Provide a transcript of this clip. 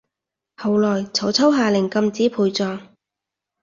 後來曹操下令禁止陪葬